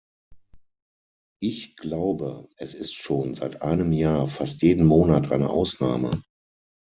Ich glaube, es ist schon seit einem Jahr fast jeden Monat eine Ausnahme!